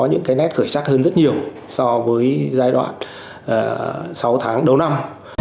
những cái nét khởi sắc hơn rất nhiều so với giai đoạn sáu tháng đầu năm